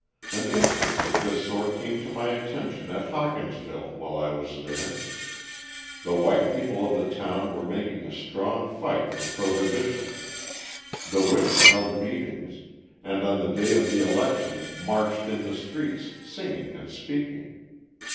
An instance of this sort came to my attention at Hawkinsville while I was there. The white people of the town were making a strong fight for prohibition; the women held meetings, and on the day of the election marched in the streets singing and speaking.